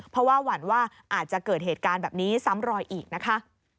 เพราะว่าหวั่นว่าอาจจะเกิดเหตุการณ์แบบนี้ซ้ำรอยอีกนะคะ